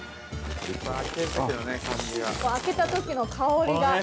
◆あけたときの香りが。